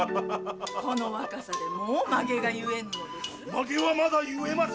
この若さでもう髷が結えぬのです。